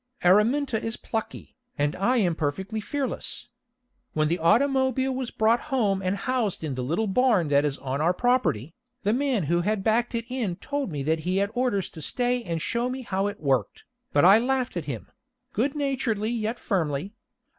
Araminta is plucky, and I am perfectly fearless. When the automobile was brought home and housed in the little barn that is on our property, the man who had backed it in told me that he had orders to stay and show me how it worked, but I laughed at him good naturedly yet firmly.